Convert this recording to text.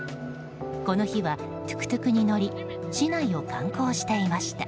この日はトゥクトゥクに乗り市内を観光していました。